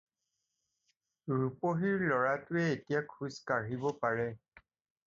ৰূপহীৰ ল'ৰাটোৱে এতিয়া খোজ কাঢ়িব পাৰে।